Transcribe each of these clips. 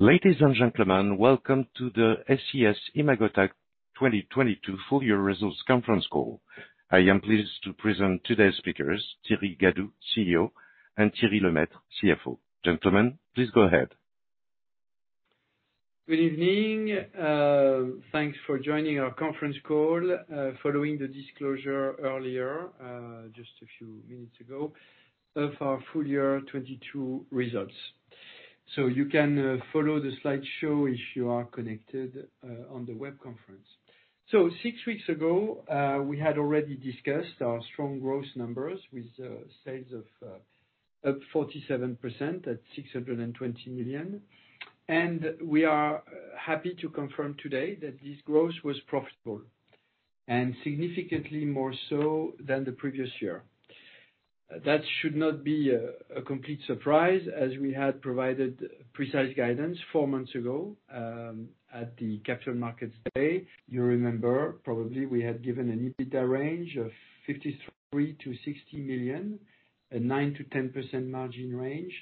Ladies and gentlemen, welcome to the SES-imagotag 2022 Full Year Results Conference Call. I am pleased to present today's speakers, Thierry Gadou, CEO, and Thierry Lemaitre, CFO. Gentlemen, please go ahead. Good evening. thanks for joining our conference call, following the disclosure earlier, just a few minutes ago, of our full year 2022 results. You can follow the slideshow if you are connected, on the web conference. Six weeks ago, we had already discussed our strong growth numbers with sales of up 47% at 620 million. We are happy to confirm today that this growth was profitable and significantly more so than the previous year. That should not be a complete surprise as we had provided precise guidance four months ago, at the Capital Markets Day. You remember probably we had given an EBITDA range of 53 million-60 million, a 9%-10% margin range,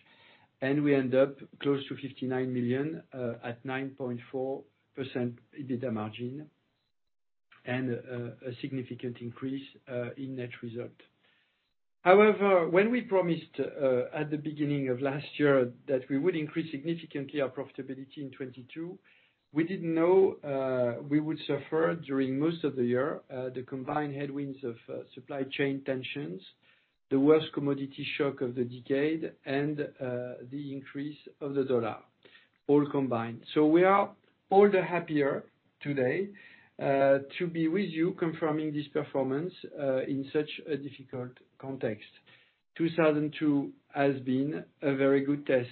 and we end up close to 59 million at 9.4% EBITDA margin and a significant increase in net result. However, when we promised at the beginning of last year that we would increase significantly our profitability in 2022, we didn't know we would suffer during most of the year the combined headwinds of supply chain tensions, the worst commodity shock of the decade, and the increase of the dollar all combined. We are all the happier today to be with you confirming this performance in such a difficult context. 2022 has been a very good test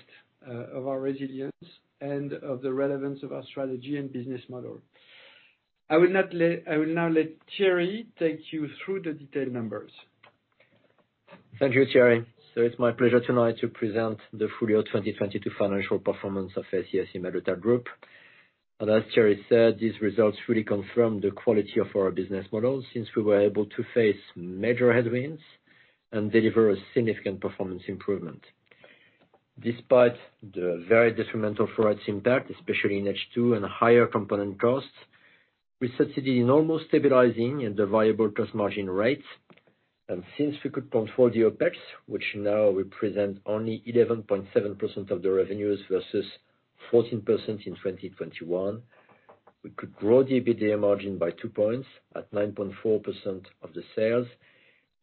of our resilience and of the relevance of our strategy and business model. I will now let Thierry take you through the detailed numbers. Thank you, Thierry. It's my pleasure tonight to present the full year 2022 financial performance of SES-imagotag group. As Thierry said, these results really confirm the quality of our business model since we were able to face major headwinds and deliver a significant performance improvement. Despite the very detrimental Forex impact, especially in H2 and higher component costs, we succeeded in almost stabilizing the variable cost margin rates. Since we could control the OpEx, which now represent only 11.7% of the revenues versus 14% in 2021, we could grow the EBITDA margin by 2 points at 9.4% of the sales,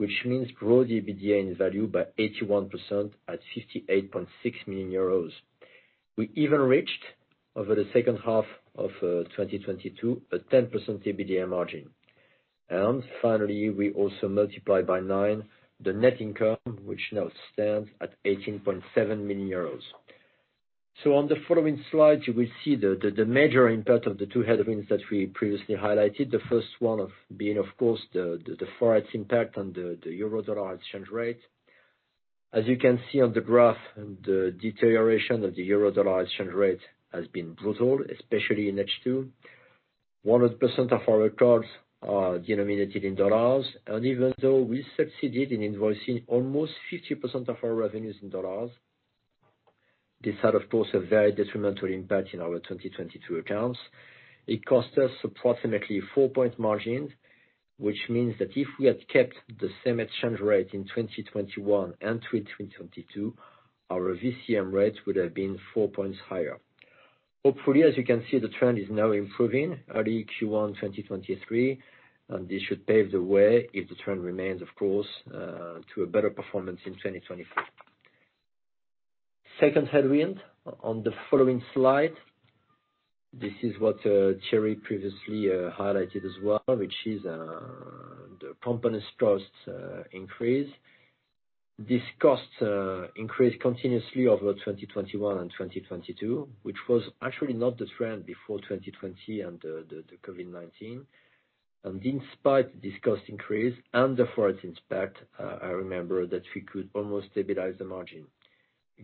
which means grow the EBITDA in value by 81% at 68.6 million euros. We even reached over the second half of 2022, a 10% EBITDA margin. Finally, we also multiplied by nine the net income which now stands at 18.7 million euros. On the following slides, you will see the major impact of the two headwinds that we previously highlighted. The first one being of course the Forex impact on the Euro-dollar exchange rate. As you can see on the graph, the deterioration of the Euro-dollar exchange rate has been brutal, especially in H2. 100% of our records are denominated in U.S. dollars, and even though we succeeded in invoicing almost 50% of our revenues in U.S. dollars, this had of course a very detrimental impact in our 2022 accounts. It cost us approximately 4 point margins, which means that if we had kept the same exchange rate in 2021 and 2022, our VCM rates would have been 4 points higher. Hopefully, as you can see, the trend is now improving early Q1 2023, and this should pave the way if the trend remains of course, to a better performance in 2024. Second headwind on the following slide. This is what Thierry previously highlighted as well, which is the components costs increase. These costs increased continuously over 2021 and 2022, which was actually not the trend before 2020 and the COVID-19. Despite this cost increase and the Forex impact, I remember that we could almost stabilize the margin.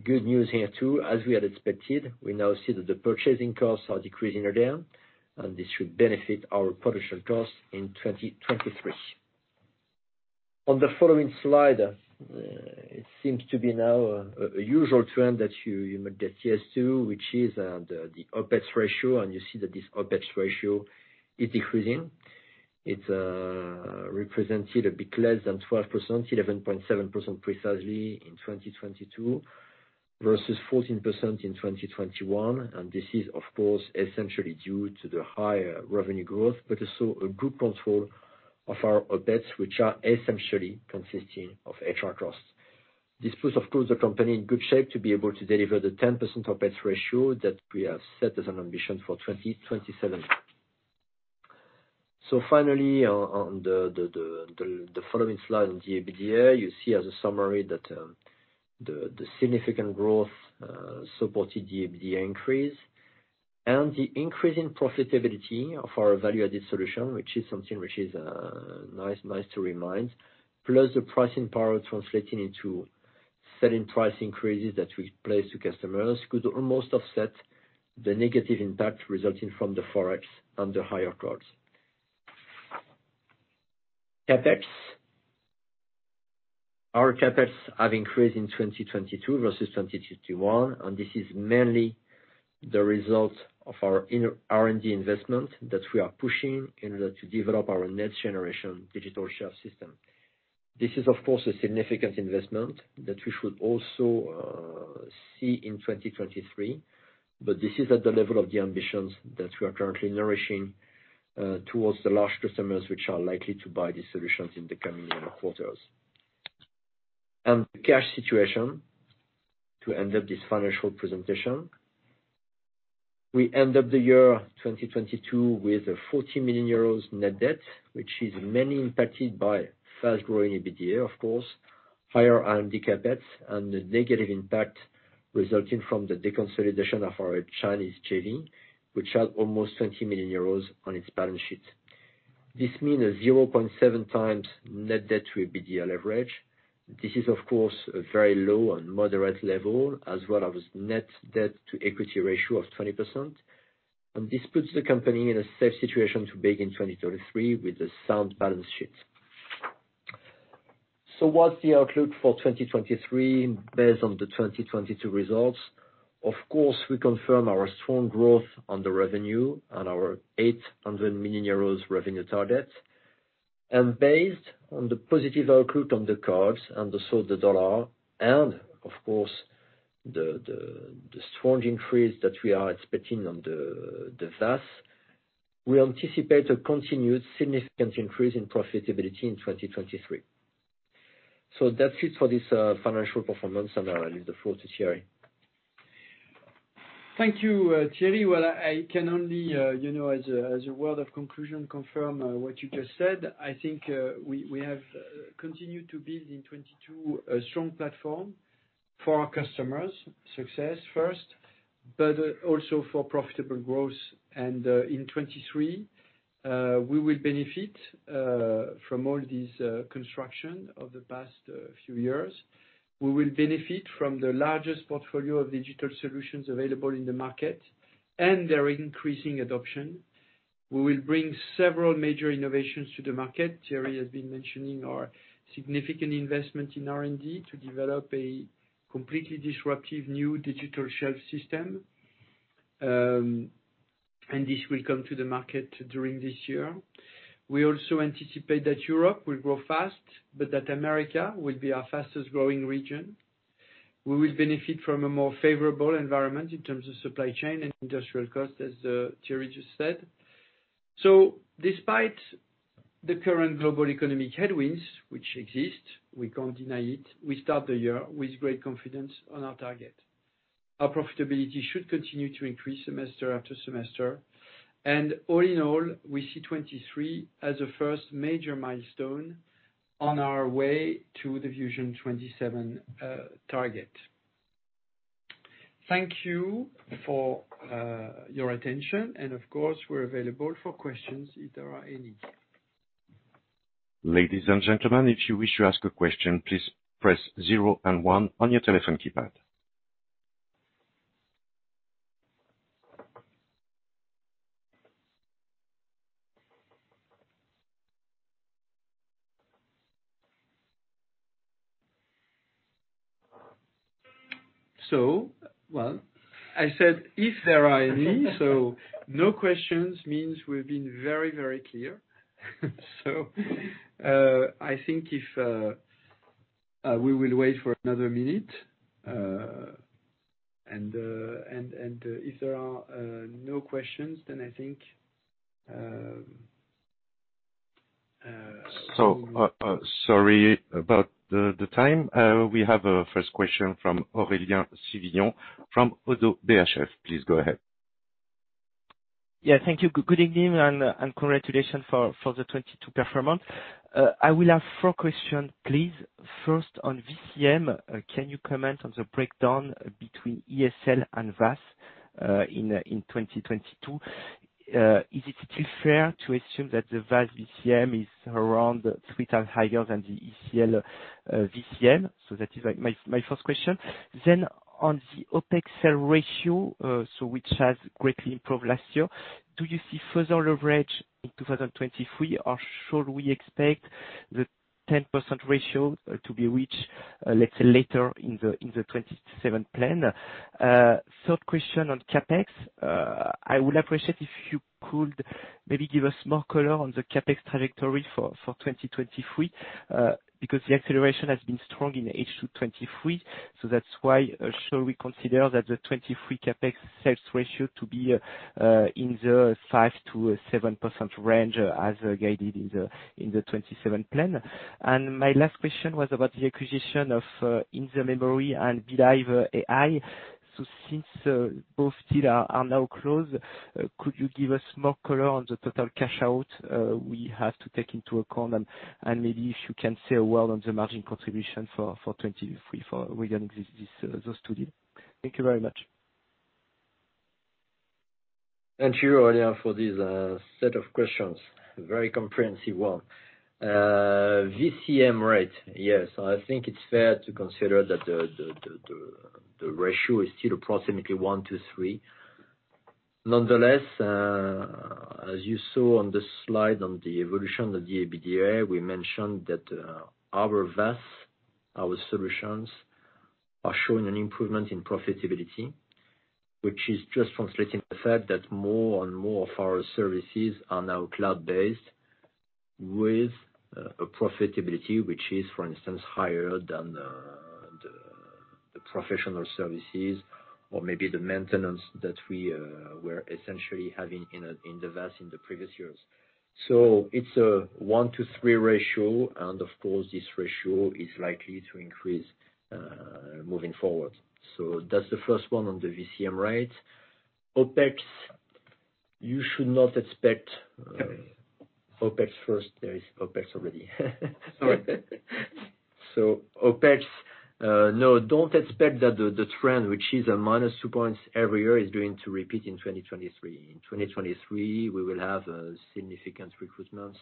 Good news here too, as we had expected, we now see that the purchasing costs are decreasing again. This should benefit our production costs in 2023. On the following slide, it seems to be now a usual trend that you might get used to, which is the OpEx ratio. You see that this OpEx ratio is decreasing. It represented a bit less than 12%, 11.7% precisely in 2022, versus 14% in 2021. This is of course essentially due to the higher revenue growth, but also a good control of our OpEx, which are essentially consisting of HR costs. This puts of course the company in good shape to be able to deliver the 10% OpEx ratio that we have set as an ambition for 2027. Finally on the following slide on the EBITDA, you see as a summary that the significant growth supported the EBITDA increase. The increase in profitability of our value-added solution, which is something which is nice to remind, plus the pricing power translating into selling price increases that we place to customers, could almost offset the negative impact resulting from the Forex and the higher costs. CapEx. Our CapEx have increased in 2022 versus 2021, this is mainly the result of our in-R&D investment that we are pushing in order to develop our next generation digital shelf system. This is, of course, a significant investment that we should also see in 2023, but this is at the level of the ambitions that we are currently nourishing towards the large customers which are likely to buy these solutions in the coming quarters. Cash situation, to end up this financial presentation. We end up the year 2022 with a 40 million euros net debt, which is mainly impacted by fast-growing EBITDA, of course, higher R&D CapEx and the negative impact resulting from the deconsolidation of our Chinese JV, which had almost 20 million euros on its balance sheet. This mean a 0.7 times net debt to EBITDA leverage. This is, of course, a very low and moderate level, as well as net debt to equity ratio of 20%. This puts the company in a safe situation to begin 2023 with a sound balance sheet. What's the outlook for 2023 based on the 2022 results? Of course, we confirm our strong growth on the revenue and our 800 million euros revenue target. Based on the positive outlook on the cards and also the U.S. dollar and of course, the strong increase that we are expecting on the VAS, we anticipate a continued significant increase in profitability in 2023. That's it for this financial performance and I leave the floor to Thierry. Thank you, Thierry. Well, I can only, you know, as a word of conclusion, confirm what you just said. I think, we have continued to build in 2022, a strong platform for our customers' success first, but also for profitable growth. In 2023, we will benefit from all these construction of the past few years. We will benefit from the largest portfolio of digital solutions available in the market and their increasing adoption. We will bring several major innovations to the market. Thierry has been mentioning our significant investment in R&D to develop a completely disruptive new digital shelf system. And this will come to the market during this year. We also anticipate that Europe will grow fast, but that America will be our fastest-growing region. We will benefit from a more favorable environment in terms of supply chain and industrial costs, as Thierry just said. Despite the current global economic headwinds which exist, we can't deny it, we start the year with great confidence on our target. Our profitability should continue to increase semester after semester. All in all, we see 2023 as a first major milestone on our way to the VUSION 2027 target. Thank you for your attention. Of course, we're available for questions if there are any. Ladies and gentlemen, if you wish to ask a question, please press zero and one on your telephone keypad. Well, I said so no questions means we've been very, very clear. I think if we will wait for another minute, and if there are no questions, then I think. Sorry about the time. We have a first question from Aurélien Sivignon from ODDO BHF. Please go ahead. Yeah. Thank you. Good evening and congratulations for the 2022 performance. I will have four question, please. First on VCM, can you comment on the breakdown between ESL and VAS in 2022? Is it still fair to assume that the VAS VCM is around three times higher than the ESL VCM? That is my first question. On the OpEx sales ratio, which has greatly improved last year, do you see further leverage in 2023, or should we expect the 10% ratio to be reached, let's say later in the 2027 plan? Third question on CapEx. I would appreciate if you could maybe give us more color on the CapEx trajectory for 2023, because the acceleration has been strong in H2 2023. That's why, shall we consider that the 2023 CapEx sales ratio to be in the 5%-7% range as guided in the VUSION '27 plan. My last question was about the acquisition of In The Memory and Belive.ai. Since both deal are now closed, could you give us more color on the total cash out we have to take into account and maybe if you can say a word on the margin contribution for 2023 regarding those two deals. Thank you very much. Thank you, Aurélien, for this set of questions. Very comprehensive one. VCM rate. Yes. I think it's fair to consider that the ratio is still approximately 1 to 3. Nonetheless, as you saw on the slide on the evolution of the EBITDA, we mentioned that our VAS, our solutions are showing an improvement in profitability, which is just translating the fact that more and more of our services are now cloud-based with a profitability which is for instance higher than the professional services or maybe the maintenance that we were essentially having in the VAS in the previous years. So it's a 1 to 3 ratio and of course this ratio is likely to increase moving forward. So that's the first one on the VCM rate. OpEx, you should not expect Okay. OpEx first. There is OpEx already. Sorry. OpEx, no, don't expect that the trend which is minus 2 points every year is going to repeat in 2023. In 2023, we will have a significant recruitment.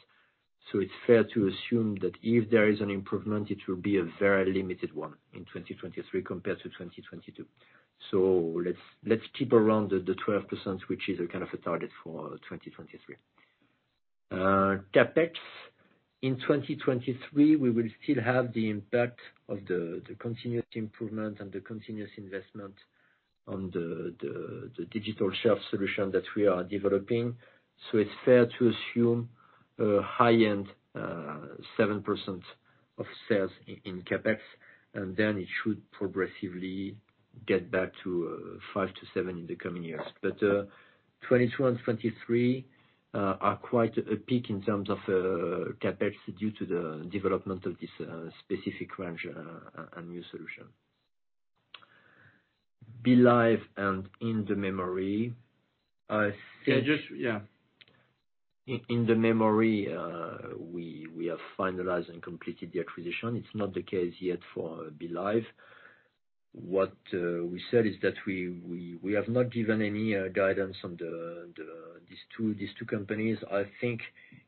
It's fair to assume that if there is an improvement, it will be a very limited one in 2023 compared to 2022. Let's keep around the 12% which is a kind of a target for 2023. CapEx, in 2023 we will still have the impact of the continuous improvement and the continuous investment on the digital shelf solution that we are developing. It's fair to assume a high end, 7% of sales in CapEx and then it should progressively get back to 5%-7% in the coming years. 22 and 23 are quite a peak in terms of CapEx due to the development of this specific range and new solution. Belive and In The Memory. Yeah, just, yeah. In The Memory, we have finalized and completed the acquisition. It's not the case yet for Belive. What we said is that we have not given any guidance on these two companies. I think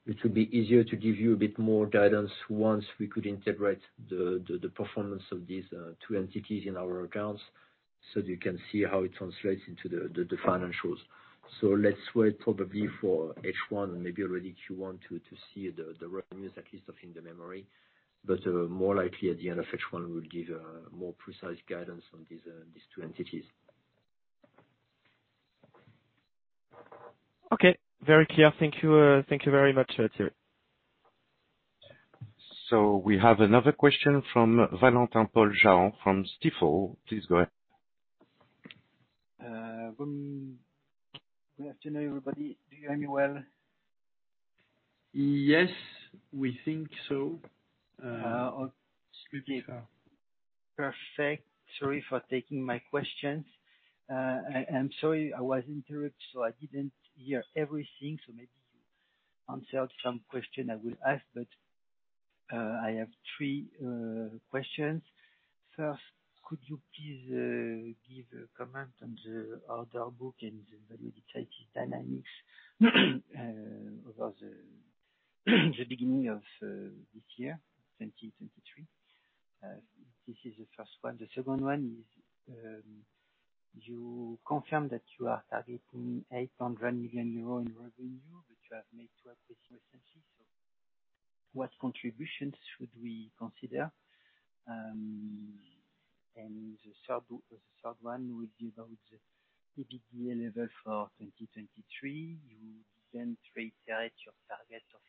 it will be easier to give you a bit more guidance once we could integrate the performance of these two entities in our accounts so that you can see how it translates into the financials. Let's wait probably for H1, maybe already Q1 to see the revenues at least of In The Memory. More likely at the end of H1 we'll give a more precise guidance on these two entities. Okay. Very clear. Thank you, thank you very much, Thierry. We have another question from Valentin-Paul Jahan from Stifel. Please go ahead. Good afternoon everybody. Do you hear me well? Yes, we think so. Okay. Perfect. Sorry for taking my questions. I'm sorry I was interrupted, so I didn't hear everything, so maybe you answered some question I will ask. I have 3 questions. First, could you please give a comment on the order book and the order intake dynamics over the beginning of this year, 2023? This is the first one. The second one is, you confirm that you are targeting 800 million euros in revenue. You have made 2 acquisitions recently. What contributions should we consider? The third one will be about the EBITDA level for 2023. You didn't reiterate your target of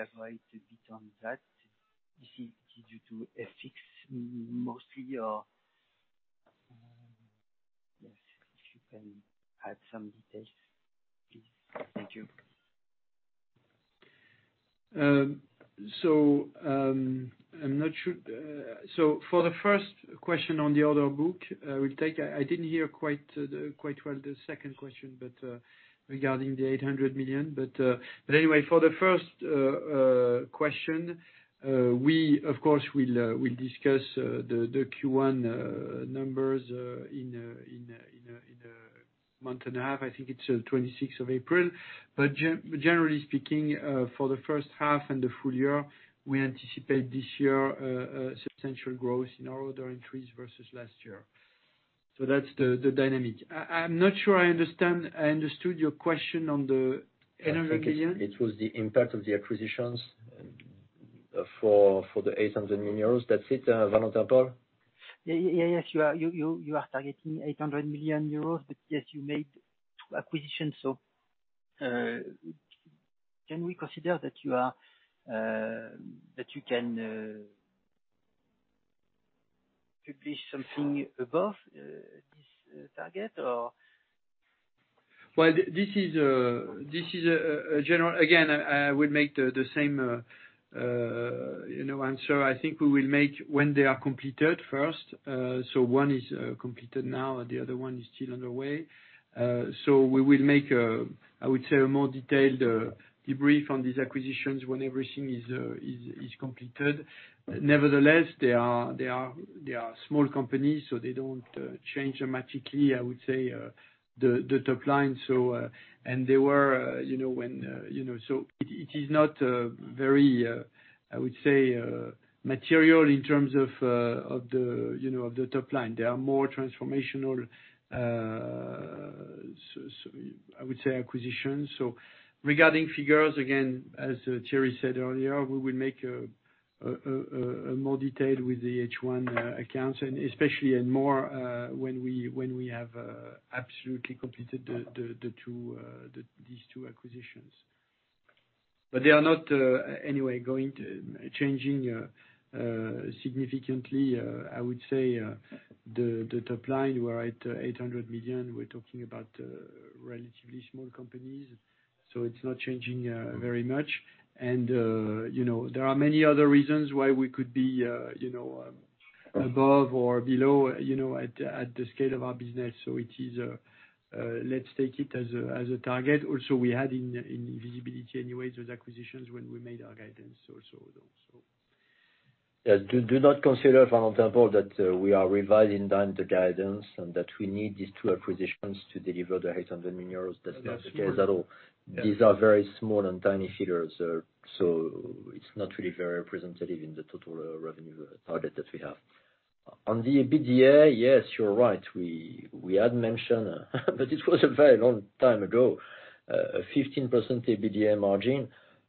15%. Could you please elaborate a bit on that? Is it due to FX mostly, or? Yes, if you can add some details, please. Thank you. I'm not sure. For the first question on the order book, we'll take. I didn't hear quite well the second question, regarding the 800 million. Anyway, for the first question, we of course will discuss the Q1 numbers in a month and a half. I think it's the 26th of April. Generally speaking, for the first half and the full year, we anticipate this year substantial growth in our order increase versus last year. That's the dynamic. I'm not sure I understand, I understood your question on the 800 million. I think it was the impact of the acquisitions, for 800 million euros. That's it, Valentin-Paul Jahan Yes. You are targeting 800 million euros, yes, you made 2 acquisitions, can we consider that you are that you can publish something above this target or? Well, this is a general. Again, I will make the same, you know, answer. I think we will make when they are completed first. One is completed now and the other one is still underway. We will make, I would say a more detailed debrief on these acquisitions when everything is completed. Nevertheless, they are small companies, so they don't change dramatically, I would say, the top line. And they were, you know, when, you know. It is not very, I would say, material in terms of the, you know, of the top line. They are more transformational, so I would say, acquisitions. Regarding figures, again, as Thierry said earlier, we will make a more detailed with the H1 accounts, and especially and more, when we have absolutely completed the two, these two acquisitions. They are not anyway going to changing significantly, I would say, the top line. We're at 800 million. We're talking about relatively small companies, so it's not changing very much. You know, there are many other reasons why we could be, you know, above or below, you know, at the scale of our business. It is, let's take it as a target. We had in visibility anyway, those acquisitions when we made our guidance also, so. Do not consider, Valentin, that we are revising down the guidance and that we need these two acquisitions to deliver 800 million euros. That's not the case at all. These are very small and tiny figures, so it's not really very representative in the total revenue target that we have. On the EBITDA, yes, you're right. We had mentioned, but it was a very long time ago, a 15% EBITDA margin.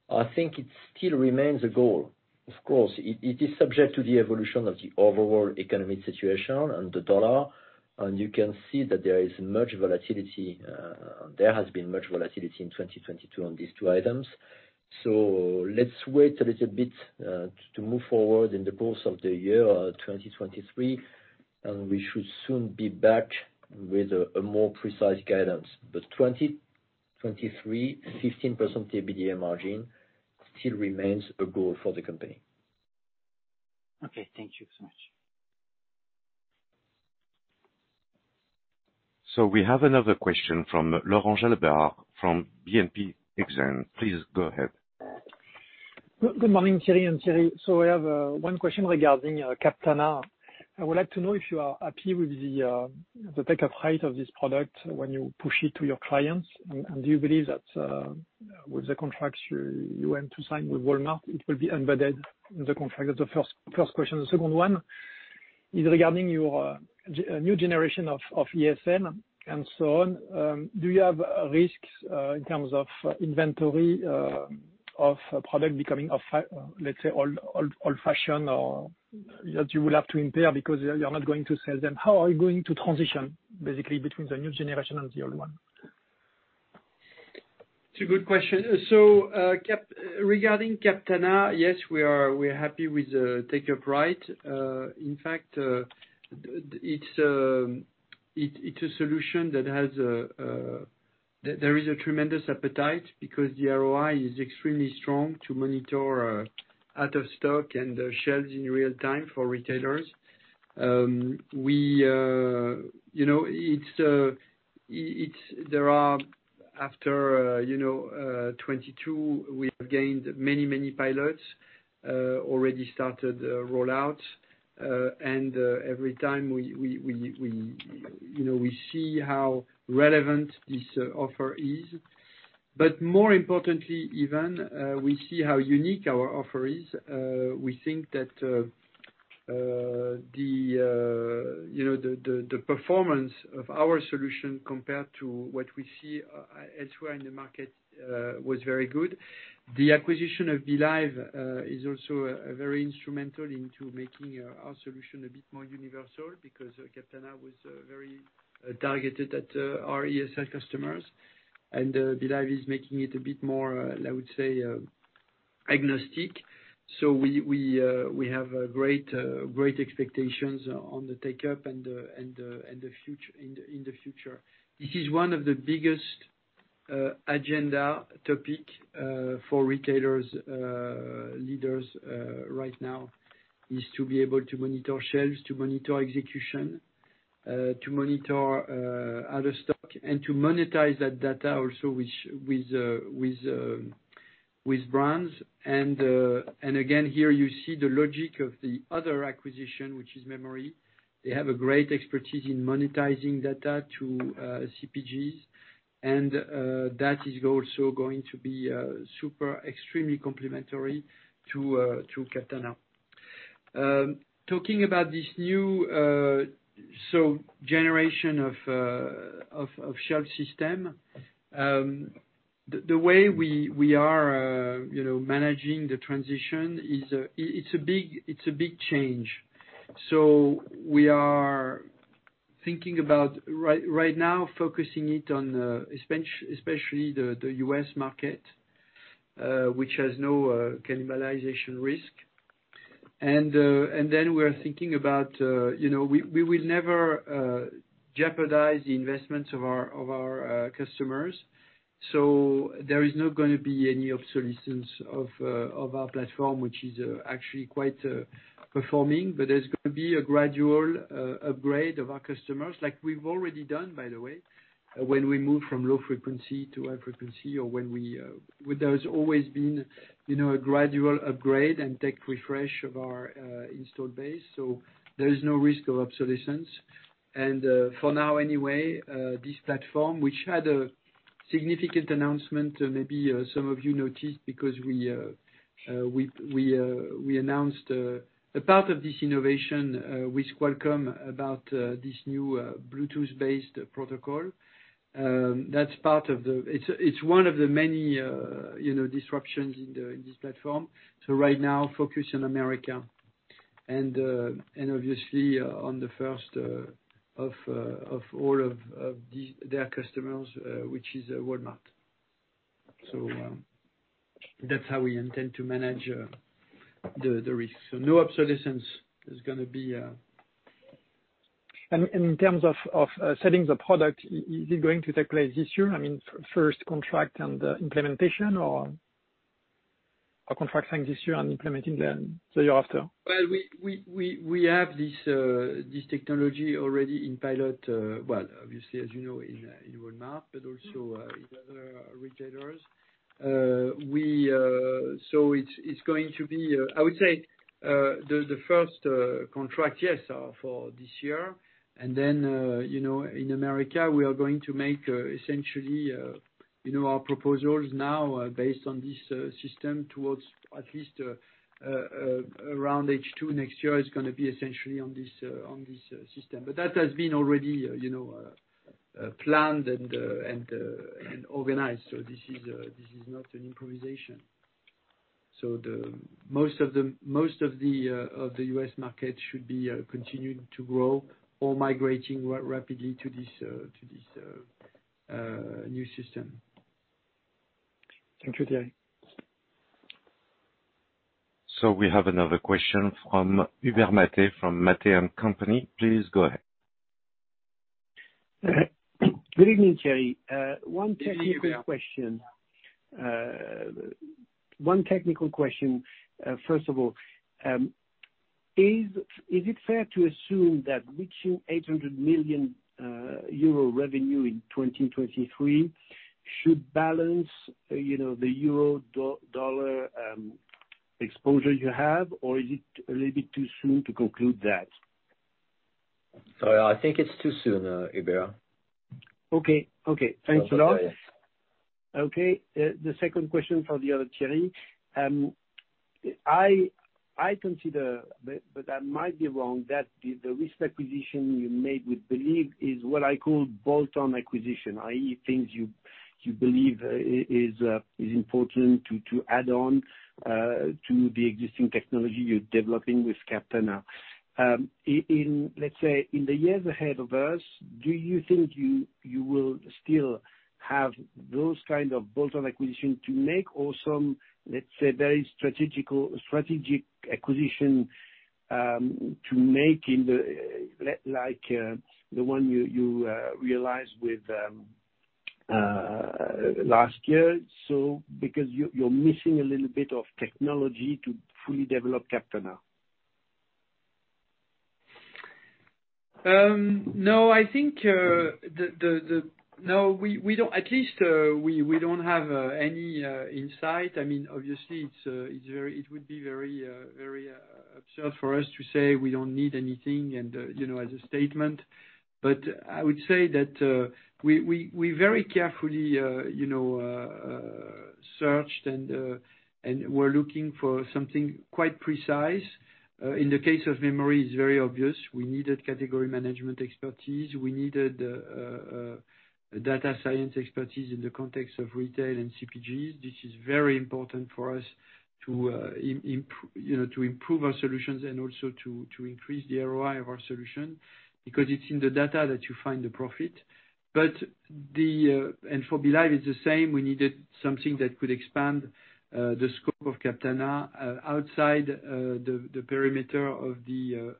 I think it still remains a goal. Of course, it is subject to the evolution of the overall economic situation and the dollar, and you can see that there is much volatility. There has been much volatility in 2022 on these two items. Let's wait a little bit to move forward in the course of the year, 2023, and we should soon be back with a more precise guidance. 2023 15% EBITDA margin still remains a goal for the company. Okay. Thank you so much. We have another question from Laurent Brunelle from BNP Paribas Exane. Please go ahead. Good morning, Thierry and Thierry. I have one question regarding Captana. I would like to know if you are happy with the take-up rate of this product when you push it to your clients. Do you believe that with the contracts you went to sign with Walmart, it will be embedded in the contract? That's the first question. The second one is regarding your new generation of ESL and so on. Do you have risks in terms of inventory of a product becoming let's say, old-fashioned or that you will have to impair because you're not going to sell them? How are you going to transition basically between the new generation and the old one? It's a good question. Regarding Captana, yes, we're happy with the take-up rate. In fact, it's a solution that has, there is a tremendous appetite because the ROI is extremely strong to monitor out of stock and the shelves in real time for retailers. We, you know, after, you know, 2022, we have gained many pilots, already started a rollout. Every time we, you know, we see how relevant this offer is. More importantly even, we see how unique our offer is. We think that, you know, the performance of our solution compared to what we see elsewhere in the market was very good. The acquisition of Belive is also very instrumental into making our solution a bit more universal because Captana was very targeted at our ESL customers. Belive is making it a bit more, I would say, agnostic. We have great expectations on the take-up and the future. This is one of the biggest agenda topic for retailers leaders right now, is to be able to monitor shelves, to monitor execution, to monitor out of stock and to monetize that data also with brands. Again, here you see the logic of the other acquisition, which is Memory. They have a great expertise in monetizing data to CPGs, and that is also going to be super extremely complementary to Captana. Talking about this new generation of shelf system, the way we are, you know, managing the transition is it's a big change. We are thinking about right now focusing it on especially the U.S. market, which has no cannibalization risk. We're thinking about, you know, we will never jeopardize the investments of our customers. There is not gonna be any obsolescence of our platform, which is actually quite performing. There's gonna be a gradual upgrade of our customers, like we've already done by the way, when we moved from low frequency to high frequency, or when we, there's always been, you know, a gradual upgrade and tech refresh of our install base. There is no risk of obsolescence. For now anyway, this platform which had a significant announcement, maybe some of you noticed because we announced a part of this innovation with Qualcomm about this new Bluetooth-based protocol. That's part of the. It's one of the many, you know, disruptions in this platform. Right now focus on America. And obviously on the first of all of their customers, which is Walmart. That's how we intend to manage the risk. No obsolescence is gonna be. In terms of selling the product, is it going to take place this year? I mean, first contract and implementation or a contract signed this year and implementing then the year after? We have this technology already in pilot, well, obviously as you know, in Walmart, but also in other retailers. It's going to be, I would say, the first contract, yes, for this year. You know, in America we are going to make, essentially, you know, our proposals now are based on this system towards at least around H2 next year is gonna be essentially on this system. That has been already, you know, planned and organized. This is not an improvisation. Most of the, of the U.S. market should be, continuing to grow or migrating rapidly to this, new system. Thank you, Thierry. We have another question from Hubert Mathet from Mathet & Cie. Please go ahead. Good evening, Thierry. One technical question. First of all, is it fair to assume that reaching 800 million euro revenue in 2023 should balance, you know, the euro dollar, exposure you have or is it a little bit too soon to conclude that? Sorry, I think it's too soon, Hubert. Okay. Okay. Thanks a lot. Okay. The second question for the other Thierry. I consider, but I might be wrong, that the risk acquisition you made with Belive is what I call bolt-on acquisition. I.e., things you believe is important to add on to the existing technology you're developing with Captana. In, let's say, in the years ahead of us, do you think you will still have those kind of bolt-on acquisition to make or some, let's say, very strategic acquisition to make in the like the one you realized with last year? Because you're missing a little bit of technology to fully develop Captana. No, I think, at least, we don't have any insight. I mean, obviously it's very, it would be very, very absurd for us to say we don't need anything and, you know, as a statement. I would say that we very carefully, you know, searched and we're looking for something quite precise. In the case of Memory, it's very obvious. We needed category management expertise. We needed data science expertise in the context of retail and CPGs. This is very important for us to, you know, to improve our solutions and also to increase the ROI of our solution because it's in the data that you find the profit. For Belive it's the same. We needed something that could expand the scope of Captana outside the perimeter of the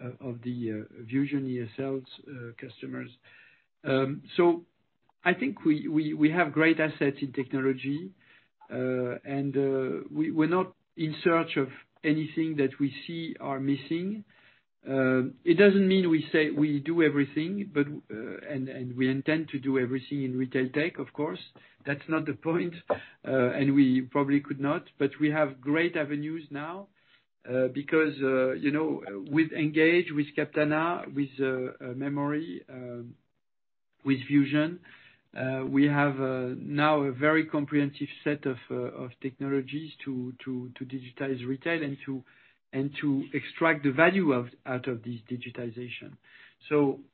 VUSION ESLs customers. I think we have great assets in technology. We're not in search of anything that we see are missing. It doesn't mean we say we do everything, but. We intend to do everything in retail tech of course. That's not the point. We probably could not. We have great avenues now, because, you know, with Engage, with Captana, with Memory, with VUSION, we have a now a very comprehensive set of technologies to digitize retail and to extract the value of out of this digitization.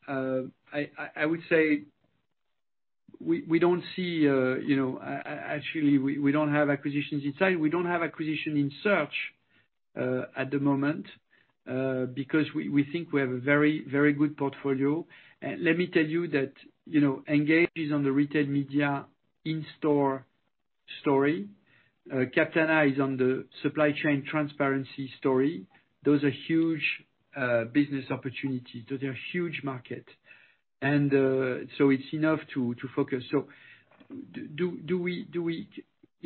I would say we don't see, you know, actually, we don't have acquisitions in sight. We don't have acquisition in search at the moment because we think we have a very, very good portfolio. Let me tell you that, you know, Engage is on the retail media in-store story. Captana is on the supply chain transparency story. Those are huge business opportunities. Those are huge market. It's enough to focus. Do we, you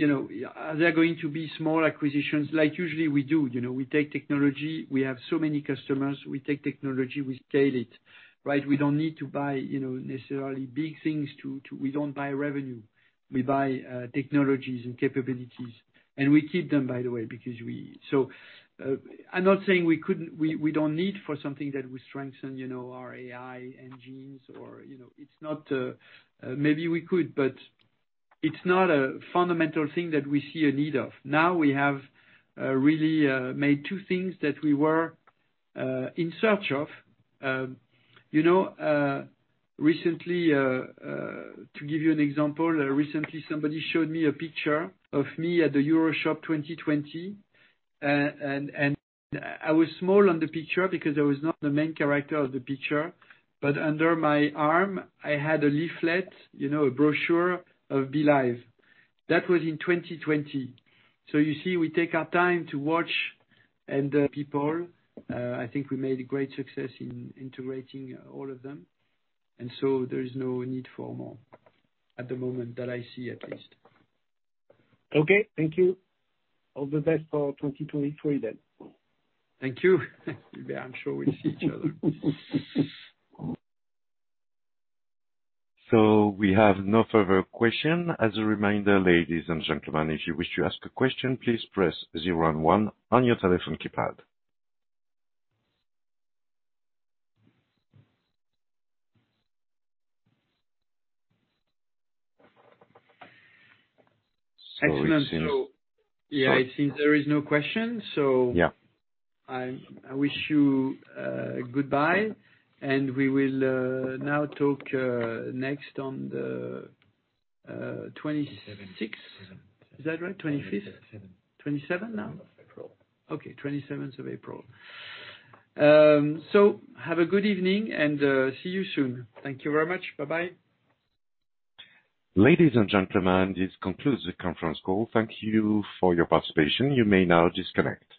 know, are there going to be small acquisitions? Like, usually we do, you know. We take technology. We have so many customers. We take technology, we scale it, right? We don't need to buy, you know, necessarily big things to. We don't buy revenue. We buy technologies and capabilities. We keep them, by the way, because I'm not saying we couldn't, we don't need for something that will strengthen, you know, our AI engines or, you know. It's not. Maybe we could, but it's not a fundamental thing that we see a need of. We have really made two things that we were in search of. You know, recently, to give you an example, recently somebody showed me a picture of me at the EuroShop 2020. I was small on the picture because I was not the main character of the picture, but under my arm I had a leaflet, you know, a brochure of Belive. That was in 2020. You see, we take our time to watch and people, I think we made great success in integrating all of them. There is no need for more at the moment that I see at least. Okay. Thank you. All the best for 2023 then. Thank you. Hubert, I'm sure we'll see each other. We have no further question. As a reminder, ladies and gentlemen, if you wish to ask a question, please press zero and one on your telephone keypad. Excellent. Yeah, it seems there is no question. Yeah. I wish you goodbye. We will now talk next on the 26. Is that right? 25th? 27 now? April. Okay, twenty-seventh of April. Have a good evening and, see you soon. Thank you very much. Bye-bye. Ladies and gentlemen, this concludes the conference call. Thank you for your participation. You may now disconnect.